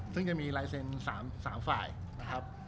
ซึ่งจะมีลายเซ็นต์๓ฝ่ายนะครับ